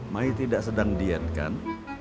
mai tidak sedang diet kan